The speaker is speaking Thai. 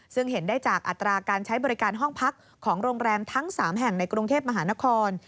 ซึ่งเห็นได้จากอัตราการใช้บริการห้องพักของโรงแรมทั้ง๓แห่งในกรุงเทพมหานคร